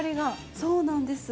そうなんです。